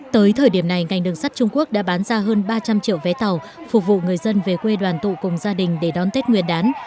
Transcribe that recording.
tới thời điểm này ngành đường sắt trung quốc đã bán ra hơn ba trăm linh triệu vé tàu phục vụ người dân về quê đoàn tụ cùng gia đình để đón tết nguyên đán